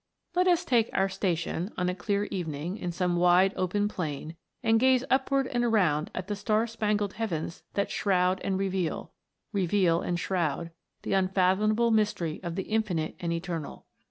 LET us take our station, on a clear evening, in some wide, open plain, and gaze upward and around on the star spangled heavens that shroud and reveal reveal and shroud the unfathomable mystery of the INFINITE and ETERNAL.